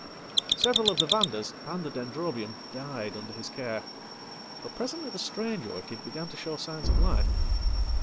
Several of the Vandas and the Dendrobium died under his care, butpresently the strange orchid began to show signs of life.